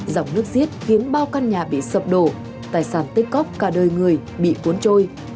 dòng nước xiết khiến bao căn nhà bị sập đổ tài sản tích cóc cả đời người bị cuốn trôi